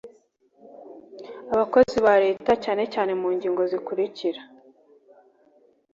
abakozi ba leta cyane cyane mu ngingo zikurikira